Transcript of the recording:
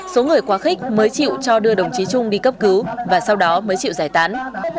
số người quá khích mới chịu cho đưa đồng chí trung đi cấp cứu và sau đó mới chịu giải tán